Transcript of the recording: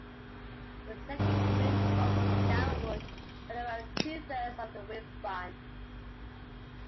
The second wing fold was downward, at about two-thirds of the wing span.